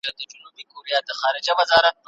د شاعر فکري رنګ د ده له فردي شخصیت څخه سرچینه اخلي.